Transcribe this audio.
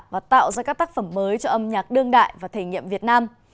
và tạo ra các tác phẩm mới cho âm nhạc đương đại và thể nghiệm việt nam